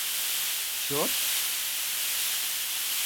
— Чот?